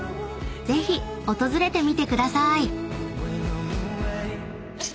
［ぜひ訪れてみてください］